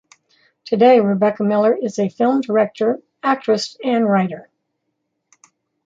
Today Rebecca Miller is a film director, actress, and writer.